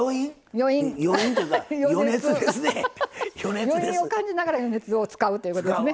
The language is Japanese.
余韻を感じながら余熱を使うっていうことですね。